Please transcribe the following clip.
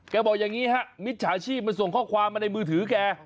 บอกอย่างนี้ฮะมิจฉาชีพมันส่งข้อความมาในมือถือแก